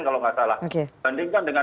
kalau nggak salah bandingkan dengan